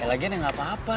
ya lagian ya gak apa apa